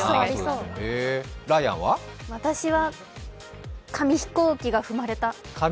私は紙飛行機が踏まれた。